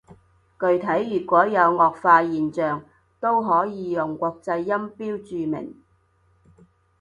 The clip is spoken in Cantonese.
具體如果有顎化現象，都可以用國際音標注明